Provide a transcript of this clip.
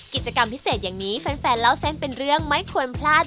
กิจกรรมพิเศษเบือนเล่าแส่นเป็นเรื่องไม่ควรพลาด